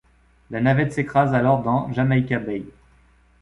La navette s’écrase alors dans Jamaica Bay.